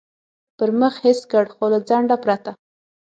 پر مخ حس کړ، خو له ځنډه پرته.